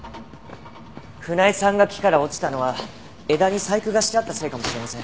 船井さんが木から落ちたのは枝に細工がしてあったせいかもしれません。